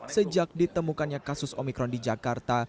sejak ditemukannya kasus omikron di jakarta